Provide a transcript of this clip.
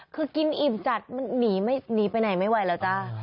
คือกินอิ่มจัดมันหนีไปไหนไม่ไหวแล้วจ้า